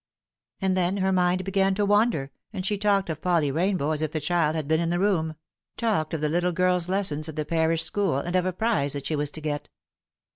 And then her mind began to wander, and she talked of Polly Rainbow as if the child had been in the room : talked of the little girl's lessons at the parish school, and of a prize that she ^as to get.